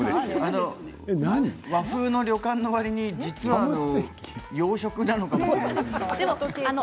和風の旅館のわりに洋食なのかもしれない。